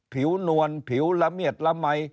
ผิวนวลผิวละเมียดละไหม